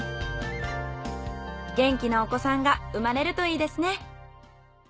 元気なお子さんが生まれるといいですね。